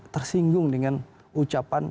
tersinggung dengan ucapan